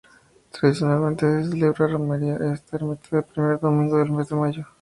Tradicionalmente se celebra romería a esta ermita el primer domingo del mes mayo.